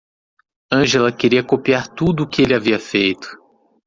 Angela queria copiar tudo o que ele havia feito.